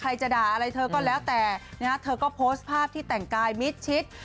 จะด่าอะไรเธอก็แล้วแต่นะฮะเธอก็โพสต์ภาพที่แต่งกายมิดชิด